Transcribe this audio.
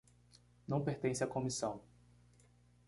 Não pertence à comissão.